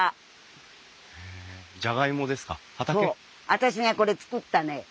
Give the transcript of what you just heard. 私がこれ作ったのよ